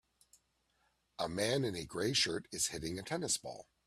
A man in a gray shirt is hitting a tennis ball